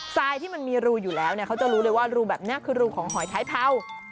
ทรายที่มันมีรูอยู่แล้วเนี่ยเขาจะรู้เลยว่ารูแบบนี้คือรูของหอยท้ายเทา